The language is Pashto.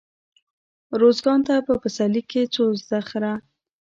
روزګان ته په پسرلي کښي ځو دخيره.